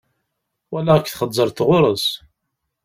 Walaɣ-k txeẓẓreḍ ɣur-s.